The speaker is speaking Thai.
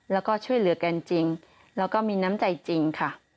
แล้วก็ช่วยเหลือกันจริงแล้วก็มีน้ำใจจริงค่ะ